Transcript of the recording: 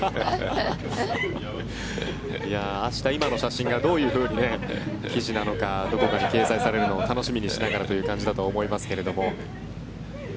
明日、今の写真がどういうふうに、記事なのかどこかに掲載されるのを楽しみにしながらという感じだと思いますけれども。